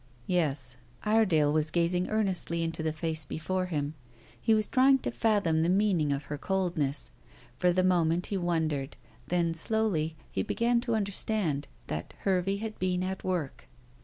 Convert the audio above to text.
"Yes." Iredale was gazing earnestly into the face before him. He was trying to fathom the meaning of her coldness. For the moment he wondered; then, slowly, he began to understand that Hervey had been at work.